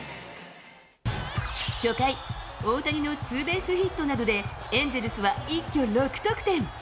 初回、大谷のツーベースヒットなどでエンゼルスは一挙６得点。